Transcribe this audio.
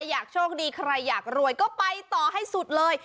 อยากโชคดีใครอยากรวยก็ไปต่อให้สุดเลย